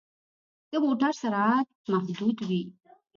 د موټر سرعت محدود وي.